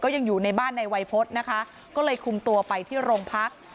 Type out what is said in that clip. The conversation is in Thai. ยังอยู่ในบ้านในวัยพฤษนะคะก็เลยคุมตัวไปที่โรงพัก